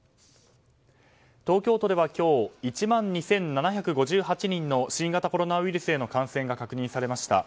東京都では今日１万２７５８人の新型コロナウイルスへの感染が確認されました。